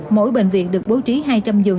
mỗi bệnh viện được bố trí hai trăm linh giường